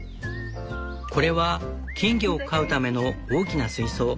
これは金魚を飼うための大きな水槽。